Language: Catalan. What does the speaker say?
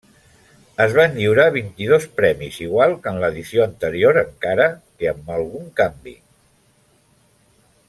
Es van lliurar vint-i-dos premis, igual que en l'edició anterior, encara que amb algun canvi.